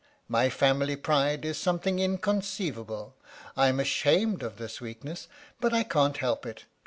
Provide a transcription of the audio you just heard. My family pride is something in conceivable; I'm ashamed of this weakness, but I can't help it.